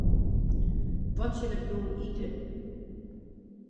Wat sil ik jûn ite?